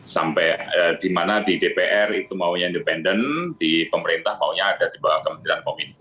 sampai di mana di dpr itu maunya independen di pemerintah maunya ada di bawah kementerian kominfo